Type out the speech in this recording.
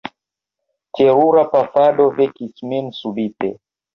Terura pafado vekis min subite.